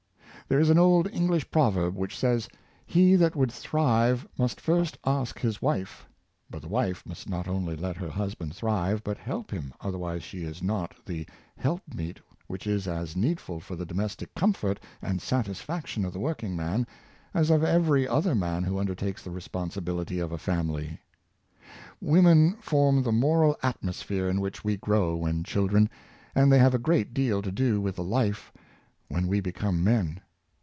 There is an old English proverb which says, " He that would thrive must first ask his wife;" but the wife must not only let her husband thrive, but help him, otherwise she is not the " helpmeet " which is as need ful for the domestic comfort and satisfaction of the working man, as of every other man who undertakes the responsibility of a family. Women form the moral atmosphere in which we grow when children; and the}' have a great deal to do with the life when we become men.